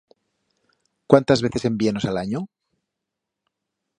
Cuántas veces en vienos a l'anyo?